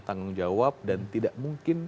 tanggung jawab dan tidak mungkin